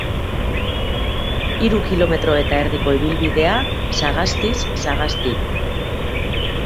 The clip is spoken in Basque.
Hiru kilometro eta erdiko ibilbidea, sagastiz sagasti.